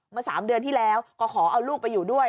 ๓เดือนที่แล้วก็ขอเอาลูกไปอยู่ด้วย